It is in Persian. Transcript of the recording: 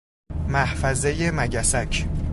محفظه مگسک